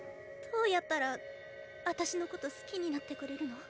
どうやったらあたしのこと好きになってくれるの？